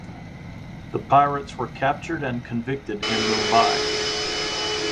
The pirates were captured and convicted in Mumbai.